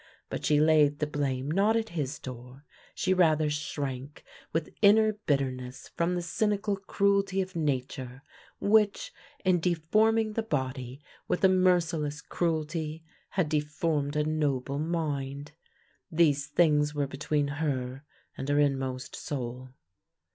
But she laid the blame not at his door; she rather shrank with inner bitterness from the cynical cruelty of nature, which, in deforming the body, with a merciless cruelty had deformed a noble mind. These things were between her and her inmost soul.